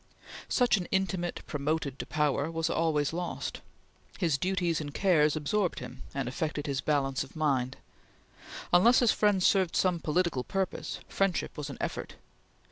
Such an intimate, promoted to power, was always lost. His duties and cares absorbed him and affected his balance of mind. Unless his friend served some political purpose, friendship was an effort.